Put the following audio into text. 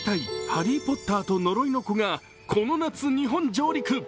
「ハリー・ポッターと呪いの子」がこの夏、日本上陸。